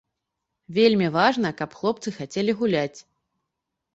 Вельмі важна, каб хлопцы хацелі гуляць.